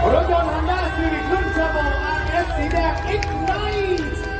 โรเจอร์ฮันด้าซีวิคลุ่มจับโหลอาร์เอสสีแดกอิกไนท์